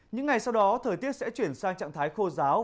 những ngày sau đó thời tiết sẽ chuyển sang trạng thái khô giáo